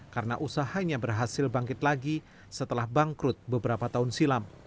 karena usahanya berhasil bangkit lagi setelah bangkrut beberapa tahun silam